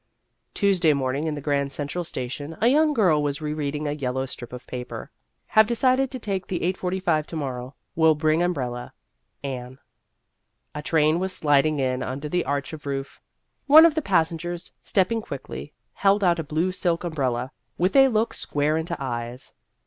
Tuesday morning in the Grand Central Station a young girl was re reading a yel low strip of paper :" Have decided to take the 8.45 to morrow. Will bring umbrella. Anne." A train was sliding in under the arch of roof. One of the passengers, stepping quickly, held out a blue silk umbrella, with a look square into eyes.